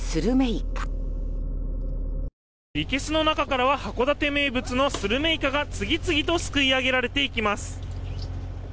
いけすの中からは函館名物のスルメイカが次々とすくい上げられていきます。